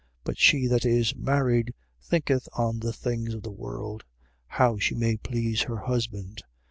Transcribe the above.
But she that is married thinketh on the things of the world: how she may please her husband.